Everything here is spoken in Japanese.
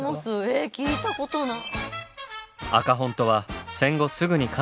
え聞いたことない。